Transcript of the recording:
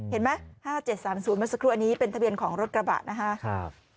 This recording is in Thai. เห็นไหม๕๗๓๐มันสักครู่อันนี้เป็นทะเบียนของรถกระบาดนะคะ